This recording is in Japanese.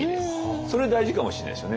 それ大事かもしれないですよね。